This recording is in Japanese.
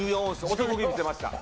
男気見せました。